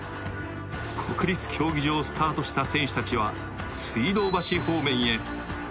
国立競技場をスタートした選手たちは水道橋方面へ。